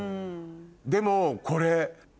でもこれ。